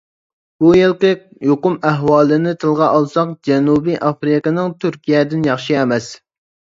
بۇ يىلقى يۇقۇم ئەھۋالىنى تىلغا ئالساق ، جەنۇبىي ئافرىقىنىڭ تۈركىيەدىن ياخشى ئەمەس.